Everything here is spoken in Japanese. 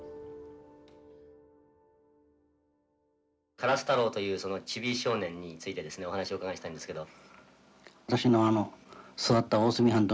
・からすたろうというそのちび少年についてですねお話をお伺いしたいんですけど。